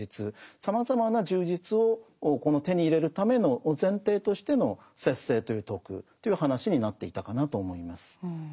さまざまな充実を手に入れるための前提としての節制という徳という話になっていたかなと思います。